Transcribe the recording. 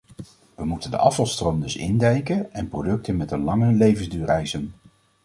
We moeten de afvalstroom dus indijken en producten met een lange levensduur eisen.